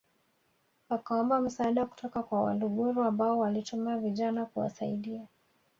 wakaomba msaada kutoka kwa Waluguru ambao walituma vijana kuwasaidia